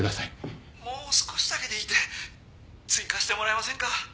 もう少しだけでいいんで追加してもらえませんか？